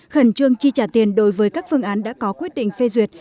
khẩn trương chi trả tiền đối với các phương án đã có quyết định phê duyệt